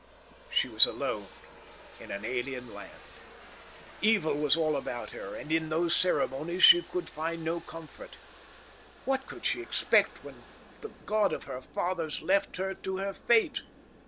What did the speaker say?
She was alone in an alien land. Evil was all about her, and in those ceremonies she could find no comfort. What could she expect when the God of her fathers left her to her fate?